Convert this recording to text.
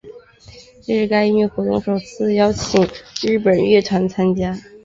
这是该音乐活动首次邀请日本乐团参加。